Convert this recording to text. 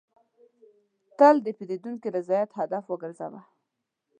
تل د پیرودونکي رضایت هدف وګرځوه.